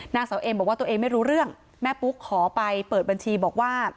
นางสาวเอมบอกว่าตัวเองไม่รู้เรื่องแม่ปุ๊กขอไปเปิดบัญชีบอกว่า